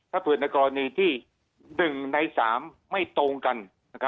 ถ้าเผื่อในกรณีที่๑ใน๓ไม่ตรงกัน